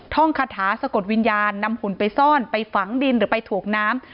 ท่องคาถาสะกดวิญญาณนำหุ่นไปซ่อนไปฝังดินหรือไปถ่วงน้ำ